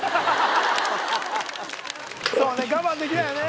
我慢できないよね。